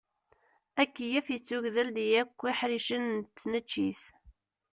Akeyyef ittugdel di yakk iḥricen n tneččit.